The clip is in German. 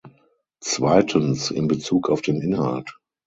Zweitens in Bezug auf den Inhalt.